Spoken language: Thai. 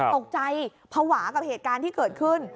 ภาวะกับเหตุการณ์ที่เกิดขึ้น